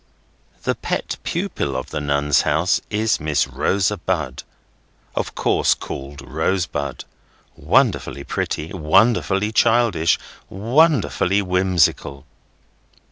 The pet pupil of the Nuns' House is Miss Rosa Bud, of course called Rosebud; wonderfully pretty, wonderfully childish, wonderfully whimsical.